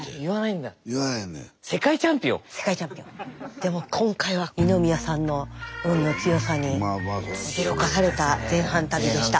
でも今回は二宮さんの運の強さに驚かされた前半旅でした。